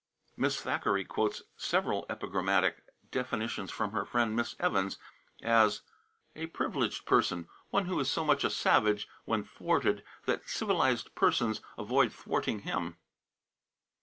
Miss Thackeray quotes several epigrammatic definitions from her friend Miss Evans, as: "A privileged person: one who is so much a savage when thwarted that civilized persons avoid thwarting him."